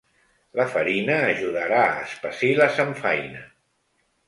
La farina ajudarà a espessir la samfaina.